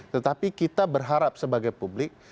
tetapi kita berharap sebagai publik